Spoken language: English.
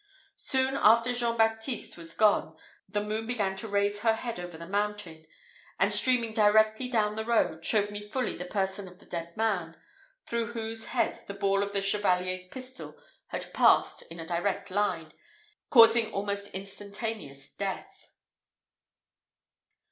Soon after Jean Baptiste was gone, the moon began to raise her head over the mountain; and, streaming directly down the road, showed me fully the person of the dead man, through whose head the ball of the Chevalier's pistol had passed in a direct line, causing almost instantaneous death.